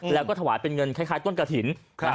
แล้วก็ถวายเป็นเงินคล้ายต้นกระถิ่น